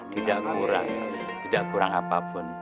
tidak kurang tidak kurang apapun